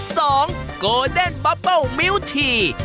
สองโกรเดนบับเบิ้ลมิวที